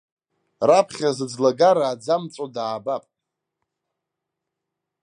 Раԥхьа зыӡлагара аӡы амҵәо даабап!